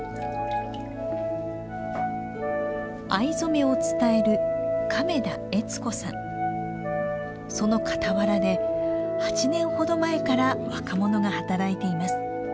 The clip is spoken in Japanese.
藍染めを伝えるその傍らで８年ほど前から若者が働いています。